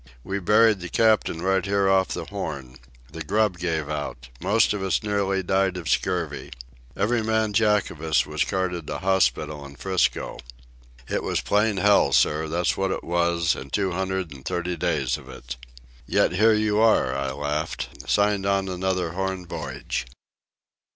We buried the captain right here off the Horn. The grub gave out. Most of us nearly died of scurvy. Every man Jack of us was carted to hospital in 'Frisco. It was plain hell, sir, that's what it was, an' two hundred and thirty days of it." "Yet here you are," I laughed; "signed on another Horn voyage."